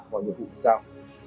mọi nhiệm vụ sao